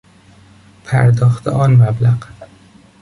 پرداخت آن مبلغ